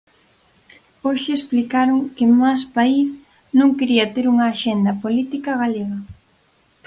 Hoxe explicaron que Más País non quería ter unha axenda política galega.